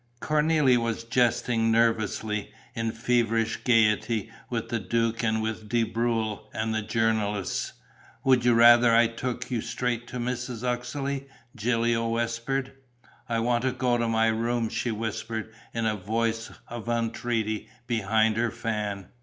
Cornélie was jesting nervously, in feverish gaiety, with the duke and with De Breuil and the journalists. "Would you rather I took you straight to Mrs. Uxeley?" Gilio whispered. "I want to go to my room!" she whispered, in a voice of entreaty, behind her fan.